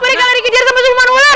mereka lari kejar sama siluman ular